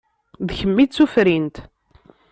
D kemm i d tufrint.